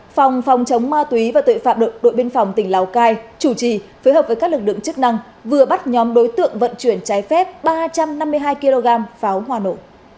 phòng phòng chống ma túy và tội phạm đội biên phòng tỉnh lào cai chủ trì phối hợp với các lực lượng chức năng vừa bắt nhóm đối tượng vận chuyển trái phép ba trăm năm mươi hai kg pháo hoa nổ